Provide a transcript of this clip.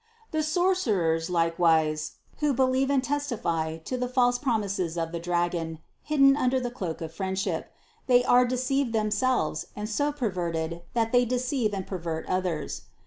The "sorcerers" likewise, who believe and testify to the false promises of the dragon, hidden under the cloak of friendship; they are deceived themselves and so perverted that they deceive and per vert others.